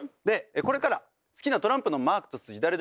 でこれから好きなトランプのマークと数字